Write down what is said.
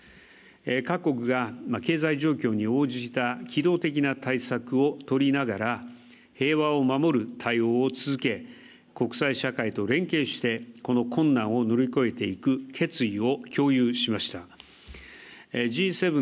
各国が経済状況に応じた機動的な対策を取りながら平和を守る対応を続け国際社会と連携してこの困難を乗り越えていく決意を共有しました。